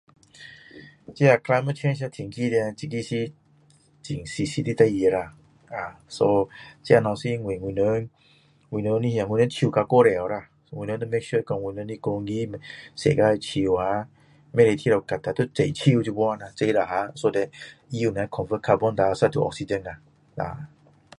那个污染的天气叻是很真实的事情啦 so 这个东西是因为我们树砍的太多了我们要 make sure 说我们整个世界树呀不可以砍呀要种树现在啦它可以 convert Cardin dio side to oxygen